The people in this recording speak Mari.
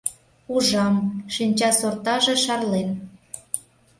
Ужам: шинчасортаже шарлен.